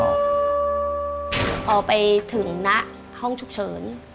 พอไปถึงณห้องฉุกเฉิน